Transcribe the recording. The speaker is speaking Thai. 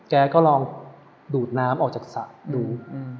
แกก็ลองดูดน้ำออกจากสระดู